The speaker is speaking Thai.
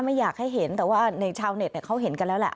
ไม่อยากให้เห็นแต่ว่าในชาวเน็ตเขาเห็นกันแล้วแหละ